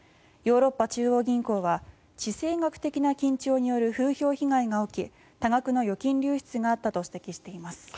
ヨーロッパ中央銀行は地政学的な緊張による風評被害が起き多額の預金流出があったと指摘しています。